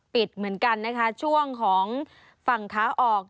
ปิดเหมือนกันนะคะช่วงของฝั่งขาออก